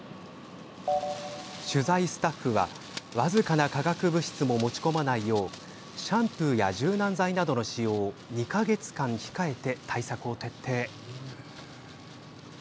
取材スタッフは、僅かな化学物質も持ち込まないようシャンプーや柔軟剤などの使用を２か月間控えて対策を徹底。